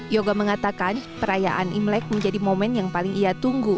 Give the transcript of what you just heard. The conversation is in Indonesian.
yoga mengatakan perayaan imlek menjadi momen yang paling ia tunggu